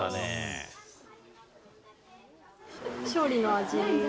勝利の味は？